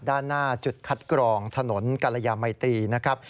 ด้านหน้าจุดคัดกรองถนนกรยามัยตรีนะครับ